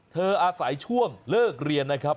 อาศัยช่วงเลิกเรียนนะครับ